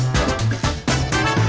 kita bikinnya banyak juga